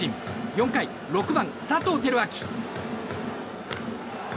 ４回６番、佐藤輝明。